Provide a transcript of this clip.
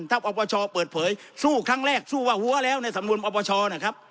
ถ้าปปชเปิดเผยสู้ครั้งแรกสู้ว่าหัวแล้วในสำนวนปปชนะครับ